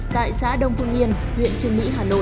tại xã đông phương yên huyện trương mỹ hà nội